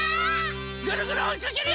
ぐるぐるおいかけるよ！